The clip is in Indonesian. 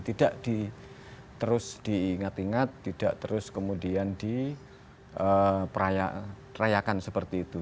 tidak terus diingat ingat tidak terus kemudian dirayakan seperti itu